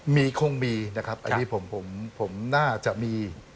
มีคงมีนะครับอันนี้ผมน่าจะมี